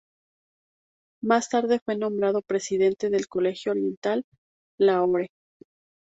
Más tarde fue nombrado presidente del Colegio Oriental, Lahore.